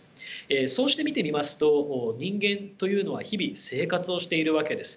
そうして見てみますと人間というのは日々生活をしているわけです。